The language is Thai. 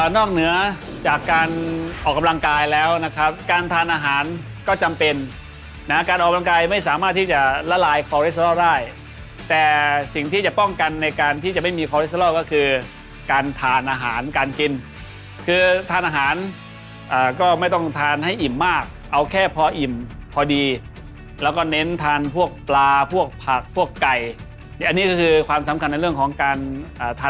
เหนือจากการออกกำลังกายแล้วนะครับการทานอาหารก็จำเป็นนะการออกกำลังกายไม่สามารถที่จะละลายคอเรสรอลได้แต่สิ่งที่จะป้องกันในการที่จะไม่มีคอเลสเตอรอลก็คือการทานอาหารการกินคือทานอาหารก็ไม่ต้องทานให้อิ่มมากเอาแค่พออิ่มพอดีแล้วก็เน้นทานพวกปลาพวกผักพวกไก่อันนี้ก็คือความสำคัญในเรื่องของการทาน